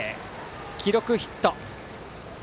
記録はヒット。